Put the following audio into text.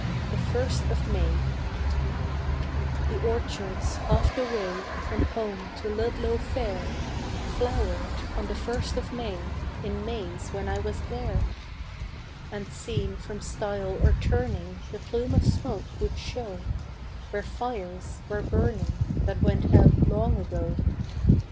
THE FIRST OF MAY The orchards half the way From home to Ludlow fair Flowered on the first of May In Mays when I was there; And seen from stile or turning The plume of smoke would show Where fires were burning That went out long ago.